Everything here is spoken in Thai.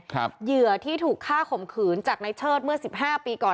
เหยื่อที่ถูกฆ่าข่มขืนจากในเชิดเมื่อสิบห้าปีก่อน